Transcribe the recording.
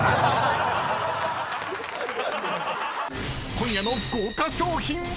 ［今夜の豪華賞品は⁉］